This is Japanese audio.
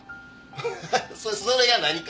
「ハハそれが何か？」